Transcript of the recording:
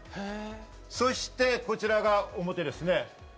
そしてこちらが表です。